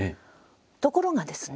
ところがですね